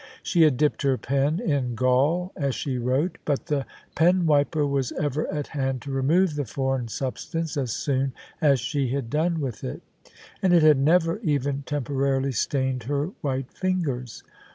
She had dipped her pen in gall as she wrote ; but the penwiper was ever at hand to remove the foreign substance as soon as she had done with it: and it had never even temporarily stained her white fingers.